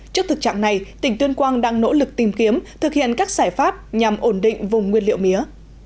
trước thực trạng này tỉnh tuyên quang đang nỗ lực tìm kiếm thực hiện các giải pháp nhằm ổn định vùng nguyên liệu mía